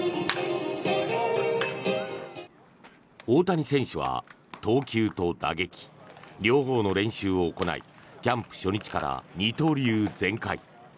大谷選手は、投球と打撃両方の練習を行いキャンプ初日から二刀流全開。